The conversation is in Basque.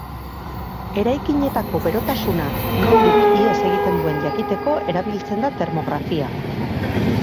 Eraikinetako berotasunak nondik ihes egiten duen jakiteko erabiltzen da termografia.